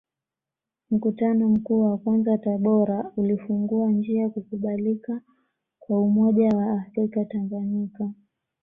Mkutano Mkuu wa kwanza Tabora ulifungua njia kukubalika kwa umoja wa afrika Tanganyika